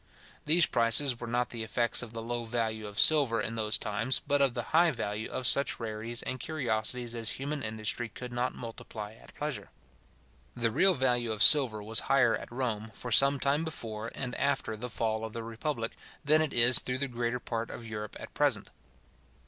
These prices were not the effects of the low value of silver in those times, but of the high value of such rarities and curiosities as human industry could not multiply at pleasure. The real value of silver was higher at Rome, for sometime before, and after the fall of the republic, than it is through the greater part of Europe at present.